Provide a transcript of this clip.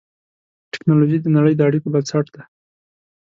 ټکنالوجي د نړۍ د اړیکو بنسټ دی.